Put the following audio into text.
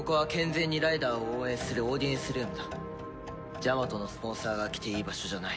ジャマトのスポンサーが来ていい場所じゃない。